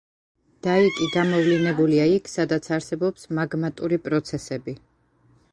დაიკი გამოვლინებულია იქ, სადაც არსებობს მაგმატური პროცესები.